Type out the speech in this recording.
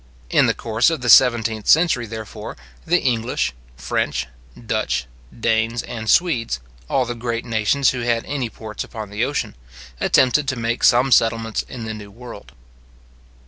In the course of the seventeenth century, therefore, the English, French, Dutch, Danes, and Swedes, all the great nations who had any ports upon the ocean, attempted to make some settlements in the new world.